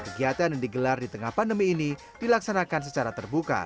kegiatan yang digelar di tengah pandemi ini dilaksanakan secara terbuka